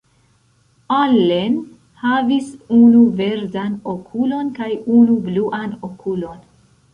Allen havis unu verdan okulon kaj unu bluan okulon.